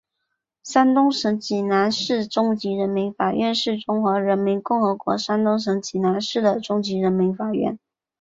山东省济南市中级人民法院是中华人民共和国山东省济南市的中级人民法院。